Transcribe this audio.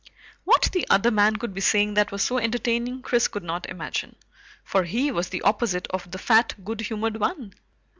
What the other man could be saying that was so entertaining Chris could not imagine, for he was the opposite of the fat good humored one.